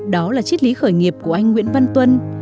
đó là triết lý khởi nghiệp của anh nguyễn văn tuân